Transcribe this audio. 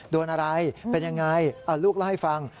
โดนอะไรเป็นยังไงลูกเล่าให้ฟัง